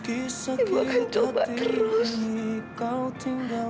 ibu akan coba terus